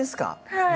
はい。